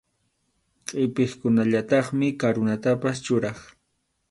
Qʼipiqkunallataqmi karunatapas churaq.